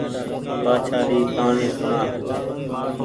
بآڇآ ري ڪهآڻي سوڻا